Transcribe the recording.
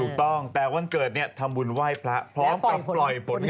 ถูกต้องแต่วันเกิดเนี่ยทำบุญไหว้พระพร้อมกับปล่อยฝน